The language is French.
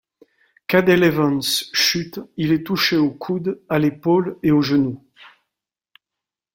Cadel Evans chute, il est touché au coude, à l’épaule et au genou.